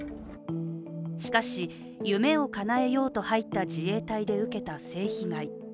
しかし、夢をかなえようと入った自衛隊で受けた性被害。